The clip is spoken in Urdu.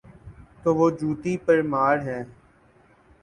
تو وہ جوتی پرمار ہیں۔